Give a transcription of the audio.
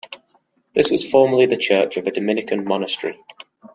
This was formerly the church of a Dominican monastery.